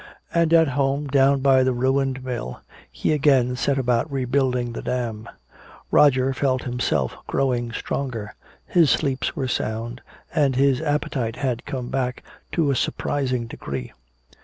And at home, down by the ruined mill he again set about rebuilding the dam. Roger felt himself growing stronger. His sleeps were sound, and his appetite had come back to a surprising degree.